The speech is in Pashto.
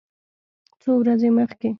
څو ورځې مخکې